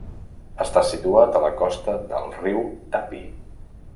Està situat a la costa del riu Tapi.